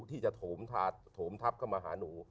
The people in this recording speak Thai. ที่จะโถมทับเข้ามาหาหนู